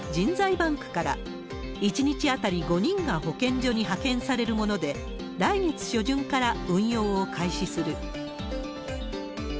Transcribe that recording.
バンクから、１日当たり５人が保健所に派遣されるもので、来月初旬から運用を開始する。